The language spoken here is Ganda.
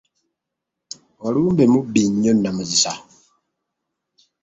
Walumbe mubi nnyo nnamuzisa.